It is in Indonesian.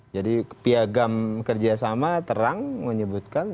jadi piagam kerjasama terang menyebutkan